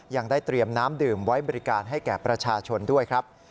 ยังได้เตรียมน้ำดื่มไว้บริการให้แก่ประชาชนด้วยครับ